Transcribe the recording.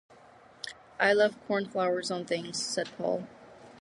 “I love cornflowers on things,” said Paul.